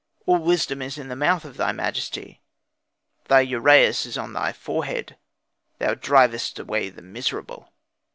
All wisdom is in the mouth of thy majesty; Thy uraeus is on thy forehead, thou drivest away the miserable.